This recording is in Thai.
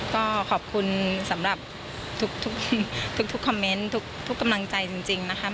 ก็ขอบคุณสำหรับทุกคอมเมนต์ทุกกำลังใจจริงนะคะ